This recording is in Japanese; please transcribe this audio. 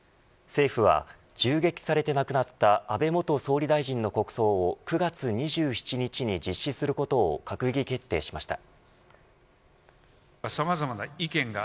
政府は銃撃されて亡くなった安倍元総理大臣の国葬を９月２７日に実施することを閣議決定しました。